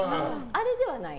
あれではない。